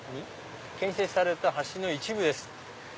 「建設された橋の一部です」。